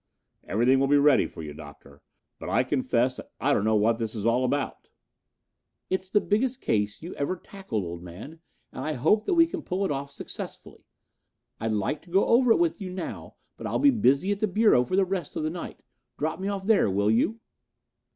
"Everything will be ready for you, Doctor, but I confess that I don't know what it is all about." "It's the biggest case you ever tackled, old man, and I hope that we can pull it off successfully. I'd like to go over it with you now, but I'll be busy at the Bureau for the rest of the night. Drop me off there, will you?"